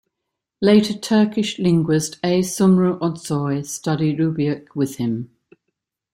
Later Turkish linguist A. Sumru Özsoy studied Ubykh with him.